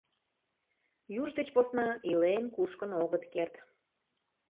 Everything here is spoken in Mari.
Юж деч посна илен. кушкын огыт керт.